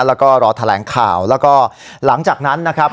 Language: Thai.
แล้วก็รอแถลงข่าวแล้วก็หลังจากนั้นนะครับ